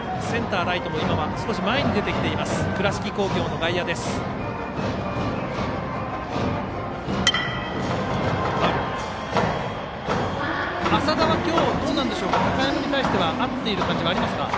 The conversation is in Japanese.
センター、ライトも少し前に出てきています